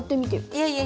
いやいや。